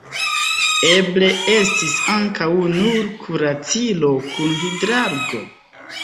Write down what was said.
Eble estis ankaŭ nur kuracilo kun hidrargo.